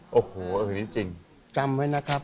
ใช่จริงจำไว้นะครับ